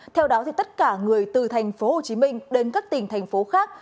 theo đó tất cả người từ tp hcm đến các tỉnh thành phố khác